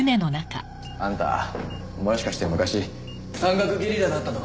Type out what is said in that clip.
あんたもしかして昔山岳ゲリラだったとか？